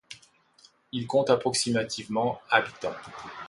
Il compte approximativement habitants.